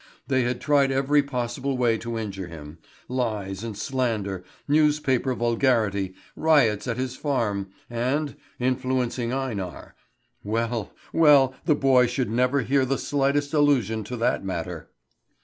They had tried every possible way to injure him lies and slander, newspaper vulgarity, riots at his farm, and influencing Einar. Well, well, the boy should never hear the slightest allusion to that matter.